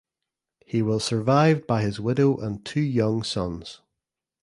He was survived by his widow and two young sons.